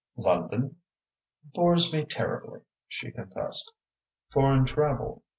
"London?" "Bores me terribly," she confessed. "Foreign travel?"